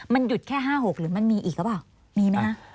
มันหยุดแค่๕๖หรือมันมีอีกหรือเปล่ามีไหมคะ